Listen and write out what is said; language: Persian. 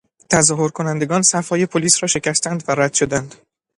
تظاهرکنندگان صفهای پلیس را شکستند و رد شدند.